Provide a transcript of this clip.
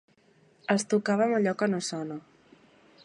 Els tocàvem allò que no sona.